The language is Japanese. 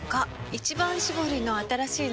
「一番搾り」の新しいの？